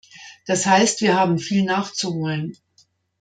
Das heißt, wir haben viel nachzuholen.